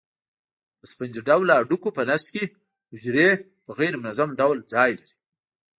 په سفنجي ډوله هډوکو په نسج کې حجرې په غیر منظم ډول ځای لري.